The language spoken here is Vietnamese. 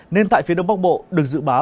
nên tại phía đông bắc bộ được dự báo